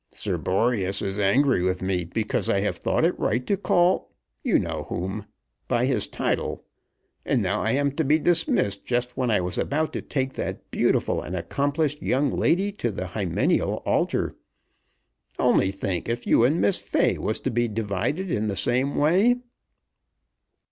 "Sir Boreas is angry with me because I have thought it right to call you know whom by his title, and now I am to be dismissed just when I was about to take that beautiful and accomplished young lady to the hymeneal altar. Only think if you and Miss Fay was to be divided in the same way!"